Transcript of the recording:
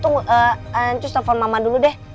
atau nanti sus telfon mama dulu deh